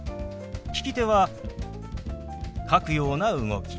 利き手は書くような動き。